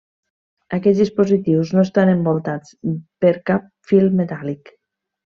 Aquests dispositius no estan envoltats per cap fil metàl·lic.